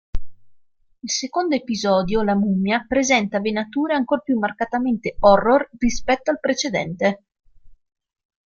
Il secondo episodio, "La mummia", presenta venature ancor più marcatamente horror rispetto al precedente.